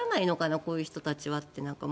こういう人たちはって思う。